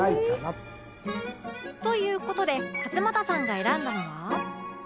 という事で勝俣さんが選んだのは